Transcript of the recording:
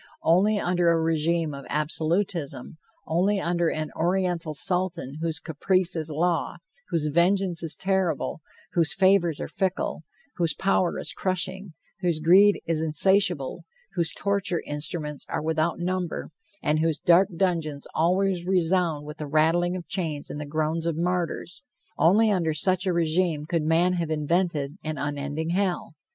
Only under a regime of absolutism, only under an Oriental Sultan whose caprice is law, whose vengeance is terrible, whose favors are fickle, whose power is crushing, whose greed is insatiable, whose torture instruments are without number, and whose dark dungeons always resound with the rattling of chains and the groans of martyrs only under such a regime could man have invented an unending hell.